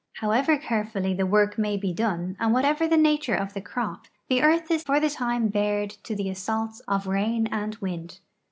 However carefully the work may be done and whatever the nature of the crop, the earth is for the time bared to the a.s.saults of rain and wind.